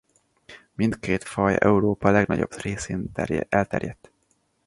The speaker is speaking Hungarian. Mindkét faj Európa legnagyobb részén elterjedt.